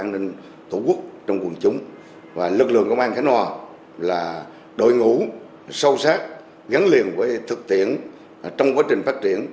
lực lượng công an khánh hòa là đội ngũ sâu sát gắn liền với thực tiễn trong quá trình phát triển